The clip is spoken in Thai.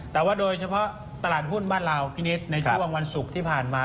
แต่ว่าโดยเฉพาะตลาดหุ้นบ้านเราพี่นิดในช่วงวันศุกร์ที่ผ่านมา